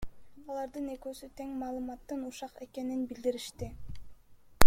Алардын экөөсү тең маалыматтын ушак экенин билдиришти.